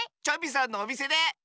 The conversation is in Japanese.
チョビさんのおみせで！